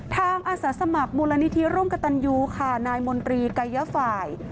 ทางอาศสมัครมูลณิธิรุมกตันยูค่ะนายมนตรีไกยฝ่าย